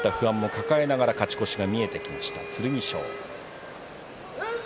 炎そういった不安も抱えながら勝ち越しが見えてきました剣翔。